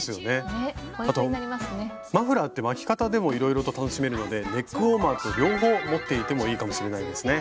マフラーって巻き方でもいろいろと楽しめるのでネックウォーマーと両方持っていてもいいかもしれないですね。